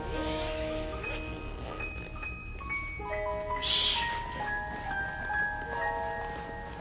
「」よし。